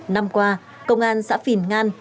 năm qua công an xã phìn ngan